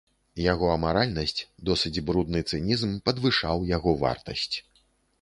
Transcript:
Яго амаральнасць, досыць брудны цынізм падвышаў яго вартасць.